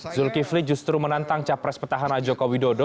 zulkifli justru menantang capres petahana joko widodo